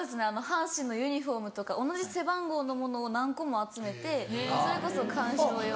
阪神のユニホームとか同じ背番号のものを何個も集めてそれこそ観賞用。